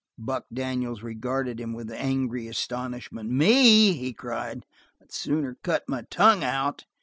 Buck Daniels regarded him with angry astonishment. "Me?" he cried. "I'd sooner cut my tongue out!"